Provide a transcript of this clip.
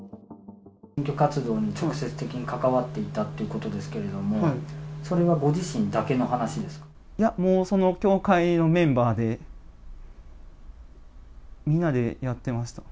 選挙活動に積極的に関わっていたということですけれども、そいや、もうその教会のメンバーで、みんなでやってました。